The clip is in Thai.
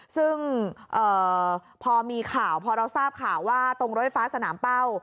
ซึ่งพอมีข่าวพอเราทราบข่าวว่าตรงรถไฟฟ้าสนามเป้า